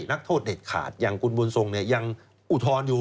นักโทษเด็ดขาดอย่างคุณบุญทรงเนี่ยยังอุทธรณ์อยู่